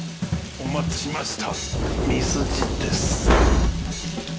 お待たせしました。